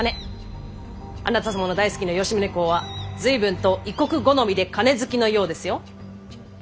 あなた様の大好きな吉宗公は随分と異国好みで金好きのようですよ！